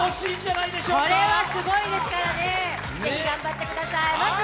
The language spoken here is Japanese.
これはすごいですからね、ぜひ頑張ってください。